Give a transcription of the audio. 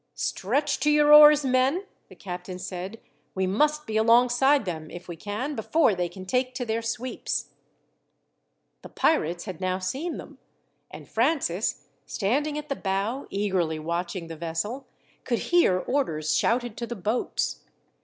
"Stretch to your oars, men," the captain said. "We must be alongside them, if we can, before they can take to their sweeps." The pirates had now seen them; and Francis, standing at the bow eagerly watching the vessel, could hear orders shouted to the boats.